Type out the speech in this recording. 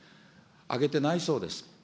あげてないそうです。